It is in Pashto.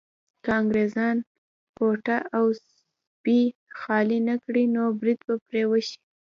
که انګريزان کوټه او سبۍ خالي نه کړي نو بريد به پرې وشي.